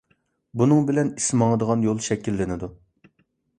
بۇنىڭ بىلەن ئىس ماڭىدىغان يول شەكىللىنىدۇ.